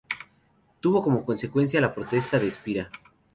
Tuvo como consecuencia la protesta de Espira.